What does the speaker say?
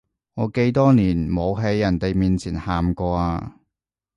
我幾多年冇喺人哋面前喊過啊